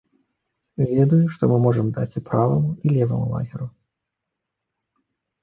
Ведаю, што мы можам даць і праваму, і леваму лагеру.